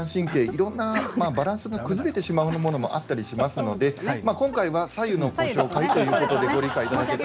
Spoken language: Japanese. いろんなバランスが崩れてしまうものもあると思いますので今回は白湯の効果ということでご理解いただけたら。